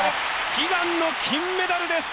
悲願の金メダルです！